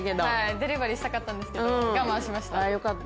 デリバリーしたかったんですけど我慢しました。